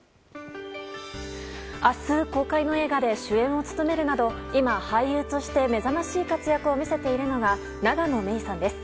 明日公開の映画で主演を務めるなど今、俳優として目覚ましい活躍を見せているのが永野芽郁さんです。